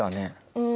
うん。